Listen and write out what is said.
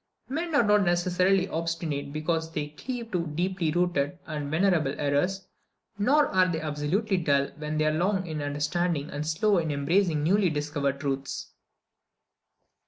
Men are not necessarily obstinate because they cleave to deeply rooted and venerable errors, nor are they absolutely dull when they are long in understanding and slow in embracing newly discovered truths.